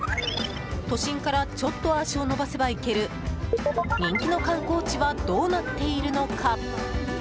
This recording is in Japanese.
都心からちょっと足を伸ばせば行ける人気の観光地はどうなっているのか？